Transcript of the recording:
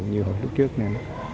như hồi lúc trước nữa